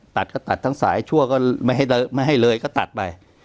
ตัดก็ตัดทั้งสายชั่วก็ไม่ให้เลยก็ตัดไป